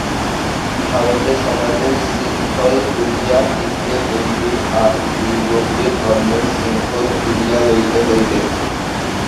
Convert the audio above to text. ভারতে সমাজের শৃঙ্খল খুলিয়া দিতে হইবে, আর ইউরোপে ধর্মের শৃঙ্খল খুলিয়া লইতে হইবে।